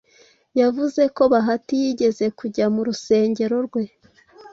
yavuze ko bahati yigeze kujya mu rusengero rwe